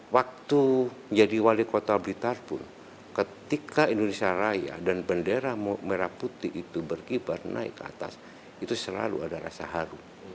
waktu menjadi wali kota blitar pun ketika indonesia raya dan bendera merah putih itu berkibar naik ke atas itu selalu ada rasa haru